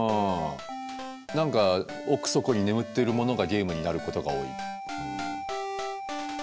何か奥底に眠ってるものがゲームになることが多い。